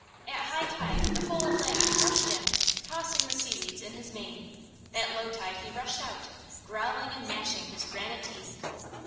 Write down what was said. At high tide the whole Atlantic rushed in, tossing the seaweeds in his mane; at low tide he rushed out, growling and gnashing his granite teeth.